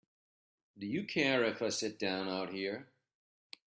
Do you care if I sit down out here?